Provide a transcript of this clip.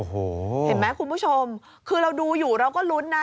โอ้โหเห็นไหมคุณผู้ชมคือเราดูอยู่เราก็ลุ้นนะ